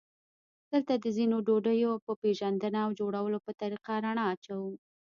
دلته د ځینو ډوډیو په پېژندنه او د جوړولو په طریقه رڼا اچوو.